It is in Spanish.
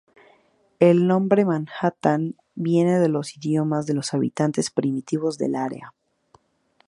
El nombre "Manhattan" viene de los idiomas de los habitantes primitivos del área.